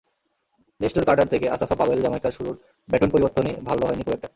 Nestor Carter থেকে Asafa পাওয়েল—জ্যামাইকার শুরুর ব্যাটন পরিবর্তনই ভালো হয়নি খুব একটা।